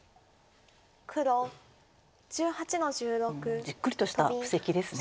うんじっくりとした布石ですね。